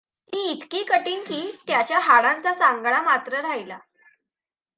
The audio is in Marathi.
ती इतकी कठीण की, त्याच्या हाडांचा सांगाडा मात्र राहिला.